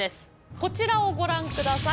こちらをご覧下さい。